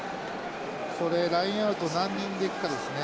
それでラインアウトを何人でいくかですね。